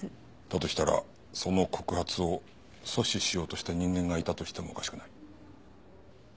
だとしたらその告発を阻止しようとした人間がいたとしてもおかしくない。